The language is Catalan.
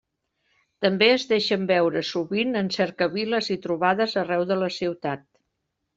També es deixen veure sovint en cercaviles i trobades arreu de la ciutat.